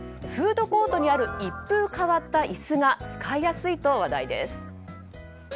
フードコートにある一風変わった椅子が使いやすいと話題です。